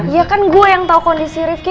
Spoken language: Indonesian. iya kan gue yang tau kondisi rifki